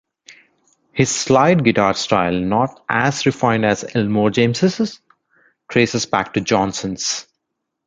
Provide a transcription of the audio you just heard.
His slide guitar style, not as refined as Elmore James's, traces back to Johnson's.